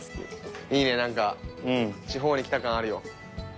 いいねなんか地方に来た感あるよ。